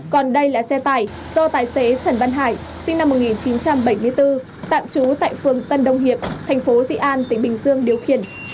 còn đây là xe tải do tài xế trần văn hải sinh năm một nghìn chín trăm bảy mươi bốn tạm trú tại phường tân đông hiệp thành phố dị an tỉnh bình dương điều khiển